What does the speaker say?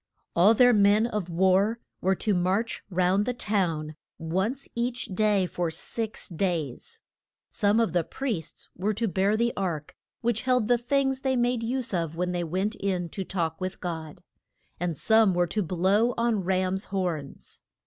All their men of war were to march round the town once each day for six days. Some of the priests were to bear the ark, which held the things they made use of when they went in to talk with God, and some were to blow on rams' horns.